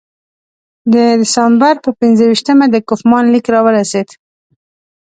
د ډسامبر پر پنځه ویشتمه د کوفمان لیک راورسېد.